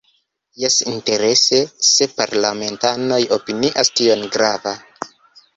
Jes, interese se parlamentanoj opinias tion grava.